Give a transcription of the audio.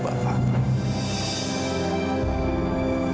pada saat bapak sadar